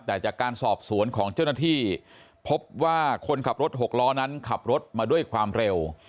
แต่จากการสอบสวนของเจ้าหน้าที่พบว่าคนขับรถหกล้อนั้นขับรถมาด้วยความเร็ว